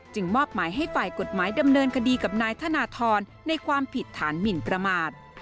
มอบหมายให้ฝ่ายกฎหมายดำเนินคดีกับนายธนทรในความผิดฐานหมินประมาท